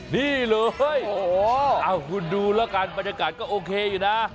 นี่เลยคุณดูแล้วกันบรรยากาศก็โอเคอยู่นะ